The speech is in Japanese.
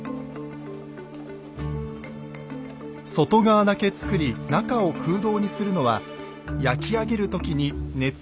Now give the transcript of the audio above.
外側だけ作り中を空洞にするのは焼き上げる時に熱を通りやすくするため。